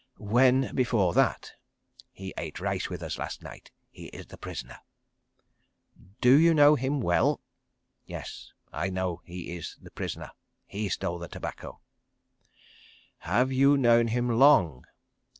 "When, before that?" "He ate rice with us last night. He is the prisoner." "Do you know him well?" "Yes, I know he is the prisoner. He stole the tobacco." "Have you known him long?"